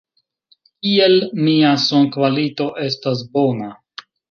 Kiel mia sonkvalito estas bona?